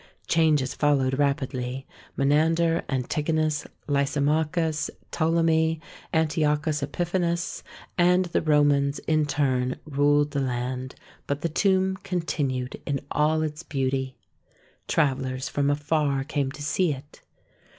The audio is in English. Changes followed rapidly. Menander, Antigonus, Lysi machus, Ptolemy, Antiochus Epiphanes, and the Romans in turn ruled the land, but the tomb continued in all its beauty. Travellers from afar came to see it.